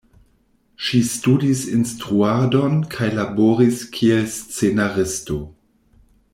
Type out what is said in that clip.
Ŝi studis instruadon kaj laboris kiel scenaristo.